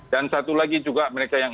dan satu lagi juga mereka yang